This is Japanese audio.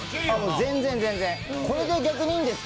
全然、全然、これで逆にいいんですか？